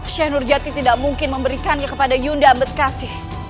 syekh nurjati tidak mungkin memberikannya kepada yunda ambekasi